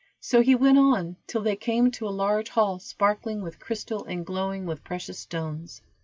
So he went on till they came to a large hall sparkling with crystal, and glowing with precious stones.